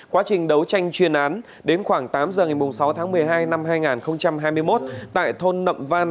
quá trình đấu tranh chuyên án đến khoảng tám giờ ngày sáu tháng một mươi hai năm hai nghìn hai mươi một tại thôn nậm van